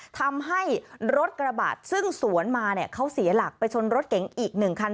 ทำให้รถกระบะซึ่งสวนมาเนี่ยเขาเสียหลักไปชนรถเก๋งอีก๑คัน